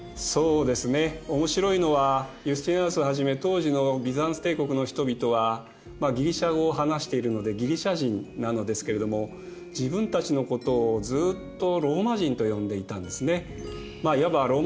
面白いのはユスティニアヌスをはじめ当時のビザンツ帝国の人々はギリシア語を話しているのでギリシア人なのですけれども自分たちのことをずっとローマ人と呼んでいたんですね。